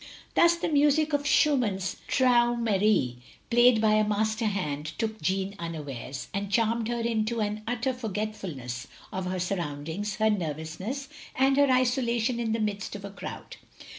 Thus the music of Schtimann's Traumerei, played by a master hand, took Jeanne unawares, and charmed her into an utter forgetfulness of her surrotmdings, her nervousness, and her isolation in the midst of a crowd.